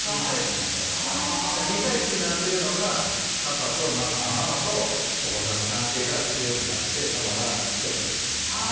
２対１になってるのがママとお子さんの関係が強くなってパパが１人になっちゃってると。